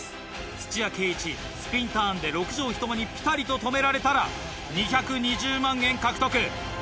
土屋圭市スピンターンで６畳１間にぴたりと止められたら２２０万円獲得。